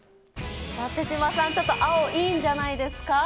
手嶋さん、ちょっと青、いいんじゃないですか。